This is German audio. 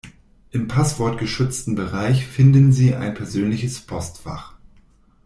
Im passwortgeschützten Bereich finden Sie ein persönliches Postfach.